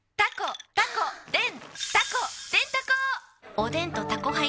おでんと「タコハイ」ん！